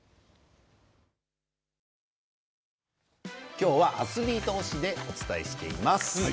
今日はアスリート推しでお伝えしています。